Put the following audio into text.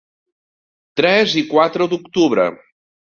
Tres i quatre d’octubre.